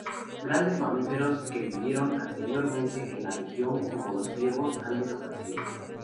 Grandes mamíferos, que vivieron anteriormente en la región, como los ciervos, han desaparecido.